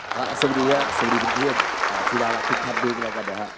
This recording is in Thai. สวัสดีละครับสวัสดีพีชยเลี่ยมสีบ้าลักษมรณ์ทุกคนด้วยกันได้ครับ